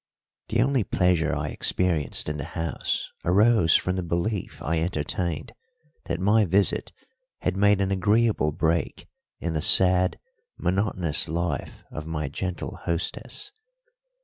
The only pleasure I experienced in the house arose from the belief I entertained that my visit had made an agreeable break in the sad, monotonous life of my gentle hostess.